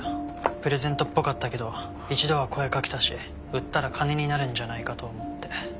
プレゼントっぽかったけど一度は声かけたし売ったら金になるんじゃないかと思って。